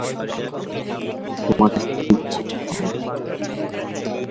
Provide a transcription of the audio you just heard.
তোমাকে স্থির থাকতে হবে।